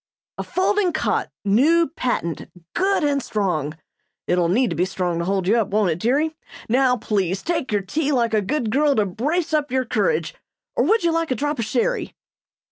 "A folding cot new patent good and strong. (It'll need to be strong to hold you up, won't it, dearie?) Now, please take your tea like a good girl, to brace up your courage. Or would you like a drop of sherry?"